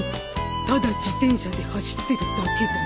ただ自転車で走ってるだけだよ。